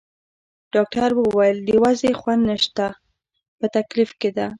ډاکټر وویل: د وضعې خوند نشته، په تکلیف کې ده.